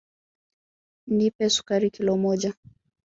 Nipe sukari kilo moja.